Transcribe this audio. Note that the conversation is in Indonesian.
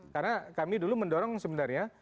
karena kami dulu mendorong sebenarnya